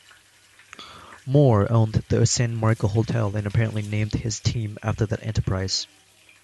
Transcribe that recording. Moore owned the San Marco Hotel and apparently named his team after that enterprise.